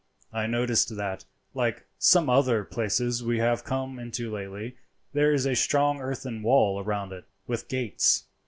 "I noticed that, like some other places we have come into lately, there is a strong earthen wall round it, with gates.